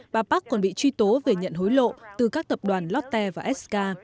bà park còn bị truy tố về nhận hối lộ từ các tập đoàn lotte và sk